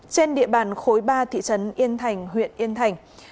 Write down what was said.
trên địa bàn khối ba thị trấn yên thành huyện yên thành